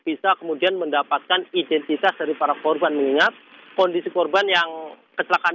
bisa kemudian mendapatkan identitas dari para korban mengingat kondisi korban yang kecelakaan